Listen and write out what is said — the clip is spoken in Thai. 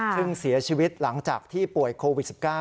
ซึ่งเสียชีวิตหลังจากที่ป่วยโควิด๑๙